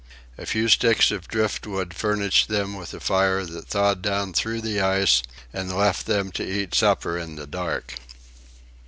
A few sticks of driftwood furnished them with a fire that thawed down through the ice and left them to eat supper in the dark.